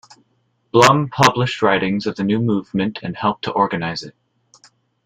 Blum published writings of the new movement and helped to organize it.